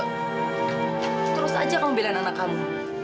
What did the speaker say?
terus aja kamu bilangin anak kamu